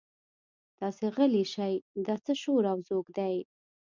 تاسې غلي شئ دا څه شور او ځوږ دی.